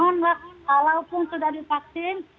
walaupun sudah dipaksin